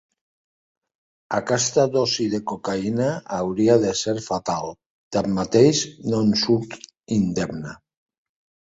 Aquesta dosi de cocaïna hauria del ser fatal, tanmateix, no en surt indemne.